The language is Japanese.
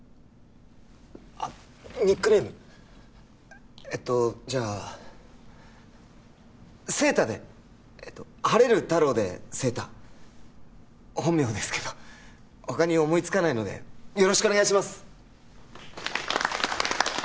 あっニックネームえっとじゃあ晴太でええと晴れる太郎で晴太本名ですけど他に思いつかないのでよろしくお願いします